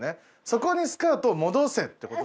そこにスカートを戻せって事？